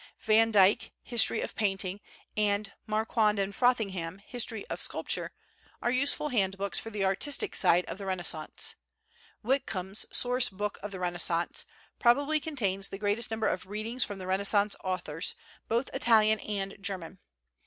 Van Dyke, "History of Painting," and Marquand and Frothingham, "History of Sculpture," are useful handbooks for the artistic side of the Renaissance. Whitcomb's "Source Book of the Renaissance" probably contains the greatest number of readings from the Renaissance authors, both Italian and German.